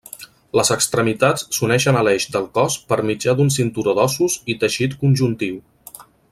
Les extremitats s'uneixen a l'eix del cos per mitjà d'un cinturó d'ossos i teixit conjuntiu.